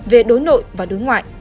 về đối nội và đối ngoại